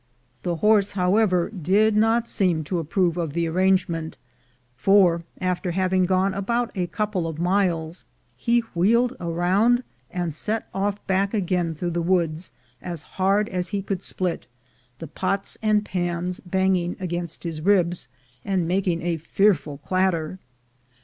The horse, however, did not seem to approve of the arrangement, for, after having gone about a couple of miles, he wheeled round, and set ofi back again through the woods as hard as he could split, the pots and pans banging against his ribs, and making a fearful clatter.